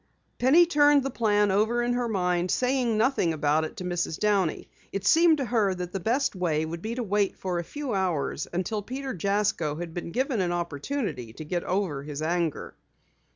Penny turned the plan over in her mind, saying nothing about it to Mrs. Downey. It seemed to her that the best way would be to wait for a few hours until Peter Jasko had been given an opportunity to get over his anger.